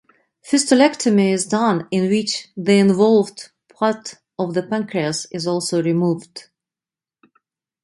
Fistulectomy is done in which the involved part of the pancreas is also removed.